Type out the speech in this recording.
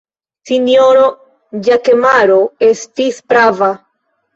Sinjoro Ĵakemaro estis prava.